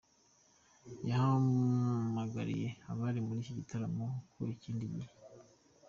Yahamagariye abari muri iki gitaramo ko ikindi gihe